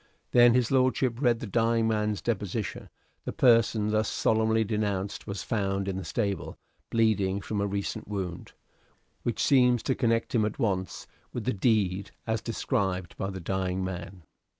Then his lordship read the dying man's deposition. The person thus solemnly denounced was found in the stable, bleeding from a recent wound, which seems to connect him at once with the deed as described by the dying man.